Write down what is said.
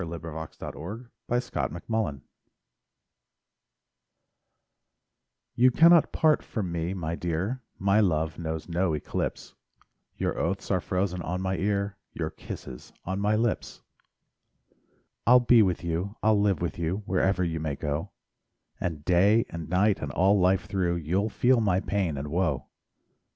SONGS AND DREAMS We Cannot Part You cannot part from me, my dear, My love knows no eclipse; Your oaths are frozen on my ear, Your kisses—on my lips. I'll be with you, I'll live with you, Wherever you may go; And day and night, and all life through You'll feel my pain and woe.